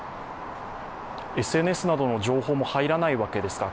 ＳＮＳなどの情報も入らないわけですか？